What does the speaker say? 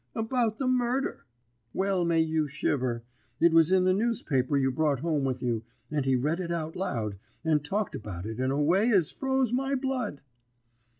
"'About the murder! Well may you shiver! It was in the newspaper you brought home with you, and he read it out loud, and talked about it in a way as froze my blood.'